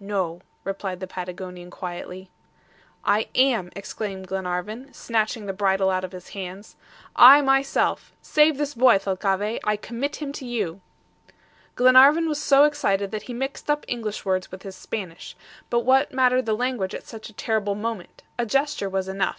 "No," replied the Patagonian quietly. "I am," exclaimed Glenarvan, snatching the bridle out of his hands. "I, myself! Save this boy, Thalcave! I commit him to you." Glenarvan was so excited that he mixed up English words with his Spanish. But what mattered the language at such a terrible moment. A gesture was enough.